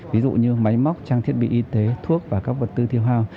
ví dụ như máy móc trang thiết bị y tế thuốc và các vật tư tiêu hào